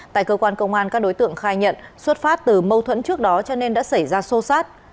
tại cơ quan công an các đối tượng khai nhận xuất phát từ mâu thuẫn trước đó cho nên đã xảy ra sô sát